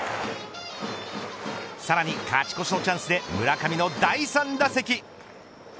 さらに、勝ち越しのチャンスで村上の第３打席。